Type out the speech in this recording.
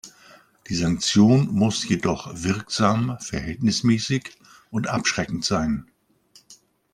Die Sanktion muss jedoch wirksam, verhältnismäßig und abschreckend sein.